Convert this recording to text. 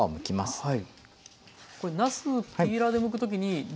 はい。